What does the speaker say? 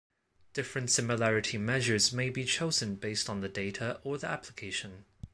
Different similarity measures may be chosen based on the data or the application.